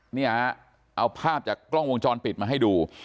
เนี่ยเอาภาพจากกล้องวงจรปิดมาให้ดู